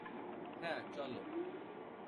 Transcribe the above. হ্যাঁ, চলো।